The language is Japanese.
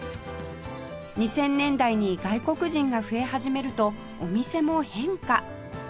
２０００年代に外国人が増え始めるとお店も変化